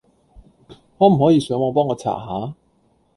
可唔可以上網幫我查下？